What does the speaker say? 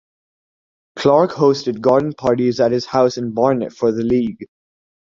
Clarke hosted garden parties at his house in Barnet for the League.